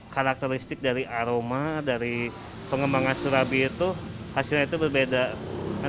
karakteristik dari aroma dari pengembangan surabi itu hasilnya itu berbeda